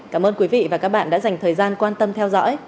cảm ơn quý vị và các bạn đã dành thời gian quan tâm theo dõi